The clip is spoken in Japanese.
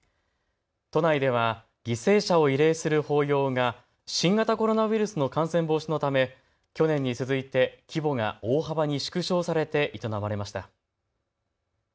都内では犠牲者を慰霊する法要が新型コロナウイルスの感染防止のため去年に続いて規模が大幅に縮小されて営まれました。